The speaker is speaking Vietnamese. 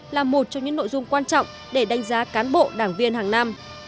là một trong những nội dung quan trọng để đánh giá cán bộ đảng viên hàng năm